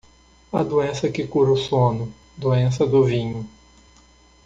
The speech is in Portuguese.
A doença que cura o sono, doença do vinho.